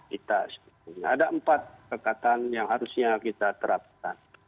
kita ada empat kekatan yang harusnya kita terapkan